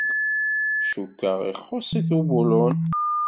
Cukkeɣ ixuṣṣ-it ubulun.